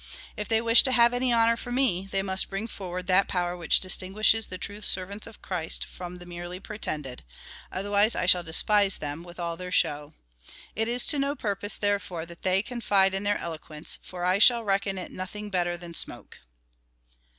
If they wish to have any honour from me, they must bring forward that power which distinguishes the true servants of Christ from the merely pretended : otherwise I shall despise them, with all their show. It is to no purpose, therefore, that they confide in their eloquence, for I shall reckon it nothing bet ter than smoke."